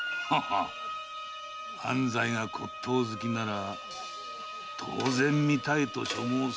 安西が骨董好きなら当然見たいと所望するであろうな。